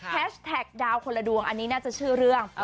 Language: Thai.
แท็กดาวคนละดวงอันนี้น่าจะชื่อเรื่อง